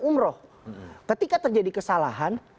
umroh ketika terjadi kesalahan